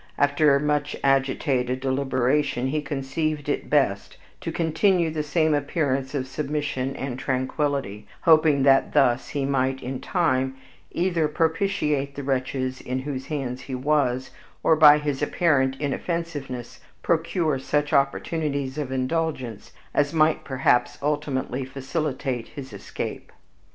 After much agitated deliberation, he conceived it best to continue the same appearance of submission and tranquillity, hoping that thus he might in time either propitiate the wretches in whose hands he was, or, by his apparent inoffensiveness, procure such opportunities of indulgence, as might perhaps ultimately facilitate his escape.